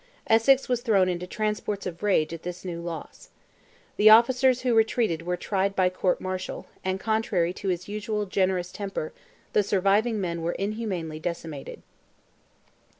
Essex was thrown into transports of rage at this new loss. The officers who retreated were tried by court martial, and, contrary to his usually generous temper, the surviving men were inhumanly decimated.